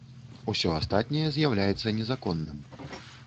Усё астатняе з'яўляецца незаконным.